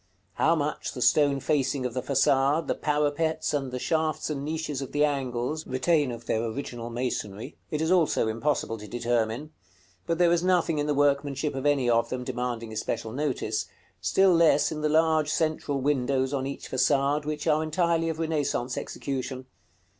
How much the stone facing of the façade, the parapets, and the shafts and niches of the angles, retain of their original masonry, it is also impossible to determine; but there is nothing in the workmanship of any of them demanding especial notice; still less in the large central windows on each façade, which are entirely of Renaissance execution.